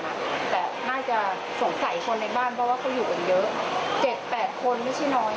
แต่น่าจะสงสัยคนในบ้านเพราะว่าเขาอยู่กันเยอะ